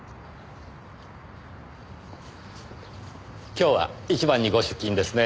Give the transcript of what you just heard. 今日は１番にご出勤ですね。